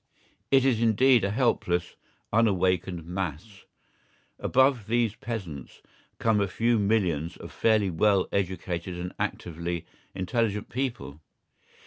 It is, indeed, a helpless, unawakened mass. Above these peasants come a few millions of fairly well educated and actively intelligent people.